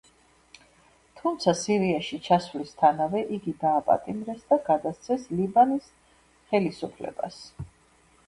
თუმცა სირიაში ჩასვლისთანავე იგი დააპატიმრეს და გადასცეს ლიბანის ხელისუფლებას.